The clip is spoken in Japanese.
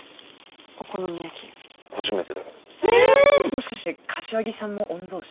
もしかして柏木さんも御曹子？